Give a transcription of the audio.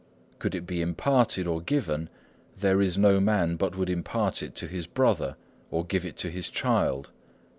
Could it be imparted or given, there is no man but would impart it to his brother or give it to his child.